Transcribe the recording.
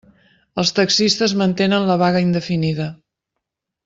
Els taxistes mantenen la vaga indefinida.